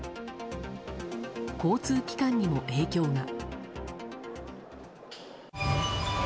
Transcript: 交通機関にも影響が。